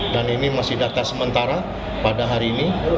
dan ini masih data sementara pada hari ini